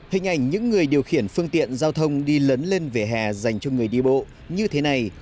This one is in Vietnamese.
hình ảnh những người điều khiển phương tiện giao thông đi lấn lên vỉa hè dành cho người đi bộ như thế này